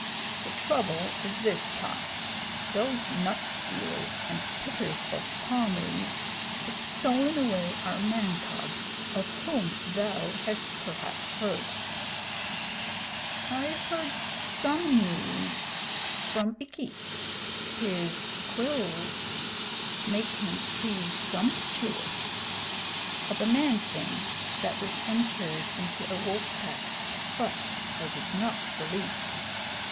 "The trouble is this, Kaa. Those nut stealers and pickers of palm leaves have stolen away our man cub of whom thou hast perhaps heard." "I heard some news from Ikki (his quills make him presumptuous) of a man thing that was entered into a wolf pack, but I did not believe.